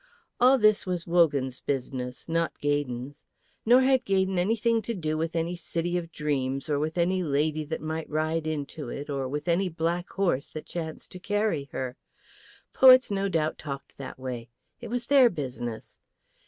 All this was Wogan's business, not Gaydon's. Nor had Gaydon anything to do with any city of dreams or with any lady that might ride into it, or with any black horse that chanced to carry her. Poets no doubt talked that way. It was their business.